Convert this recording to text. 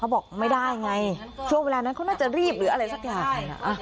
บอกไม่ได้ไงช่วงเวลานั้นเขาน่าจะรีบหรืออะไรสักอย่าง